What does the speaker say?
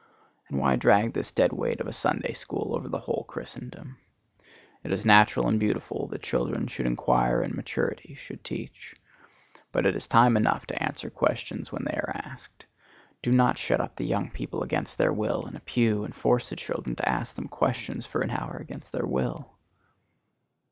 And why drag this dead weight of a Sunday school over the whole Christendom? It is natural and beautiful that childhood should inquire and maturity should teach; but it is time enough to answer questions when they are asked. Do not shut up the young people against their will in a pew and force the children to ask them questions for an hour against their will.